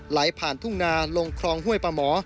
ไหลผ่านทุ่งนาลงคลองห้วยปะหมอ